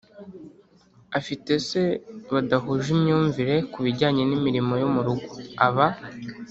Afite se badahuje imyumvire ku bijyanye n’imirimo yo mu rugo. Aba